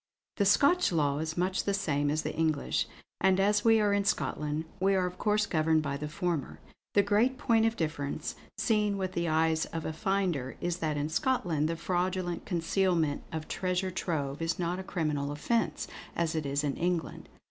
"The Scotch law is much the same as the English; and as we are in Scotland, we are of course governed by the former. The great point of difference, seen with the eyes of a finder, is that in Scotland the fraudulent concealment of Treasure Trove is not a criminal offence, as it is in England.